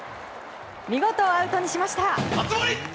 見事、アウトにしました！